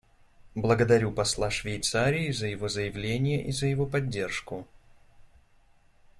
Благодарю посла Швейцарии за его заявление и за его поддержку.